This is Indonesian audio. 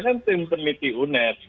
kan tim peneliti uner